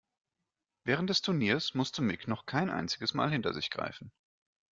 Während des Turniers musste Mick noch kein einziges Mal hinter sich greifen.